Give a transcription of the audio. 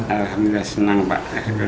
alhamdulillah senang pak